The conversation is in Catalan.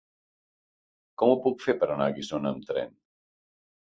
Com ho puc fer per anar a Guissona amb tren?